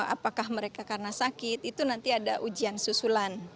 apakah mereka karena sakit itu nanti ada ujian susulan